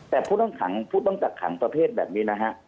แต่พูดต้องจัดขังประเภทแบบนี้นะฮะ